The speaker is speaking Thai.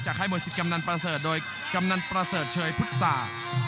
จากค่ายมวยศิษย์กำนันประเสริฐโดยกำนันประเสริฐเชยพุทธศาสตร์